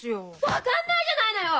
分かんないじゃないのよ！